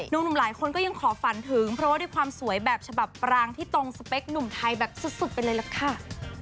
หนุ่มหลายคนก็ยังขอฝันถึงเพราะว่าด้วยความสวยแบบฉบับปรางที่ตรงสเปคหนุ่มไทยแบบสุดไปเลยล่ะค่ะ